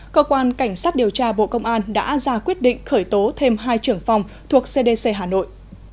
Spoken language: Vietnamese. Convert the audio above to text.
cơ quan cảnh sát điều tra bộ công an đã ra quyết định khởi tố thêm hai trưởng phòng thuộc cdc hà nội